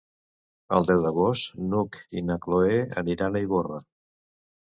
El deu d'agost n'Hug i na Cloè aniran a Ivorra.